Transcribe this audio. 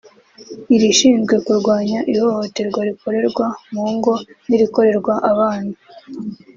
irishinzwe kurwanya ihohoterwa rikorerwa mu ngo n’irikorerwa abana